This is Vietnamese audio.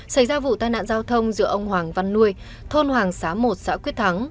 xảy ra vụ tai nạn giao thông giữa ông hoàng văn nuôi thôn hoàng xá một xã quyết thắng